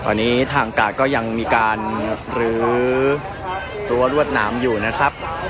ตอนนี้ทางกาดก็ยังมีการรื้อรั้วรวดหนามอยู่นะครับ